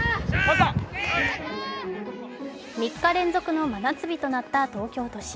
３日連続の真夏日となった東京都心。